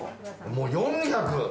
もう４００！